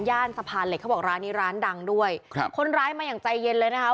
สะพานเหล็กเขาบอกร้านนี้ร้านดังด้วยครับคนร้ายมาอย่างใจเย็นเลยนะคะ